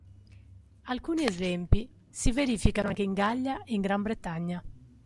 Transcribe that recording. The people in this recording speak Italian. Alcuni esempi si verificano anche in Gallia e in Gran Bretagna.